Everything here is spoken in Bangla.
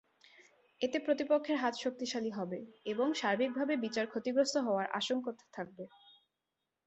এতে প্রতিপক্ষের হাত শক্তিশালী হবে এবং সার্বিকভাবে বিচার ক্ষতিগ্রস্ত হওয়ার আশঙ্কা থাকবে।